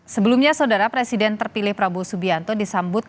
sebelumnya saudara presiden terpilih prabowo subianto disambut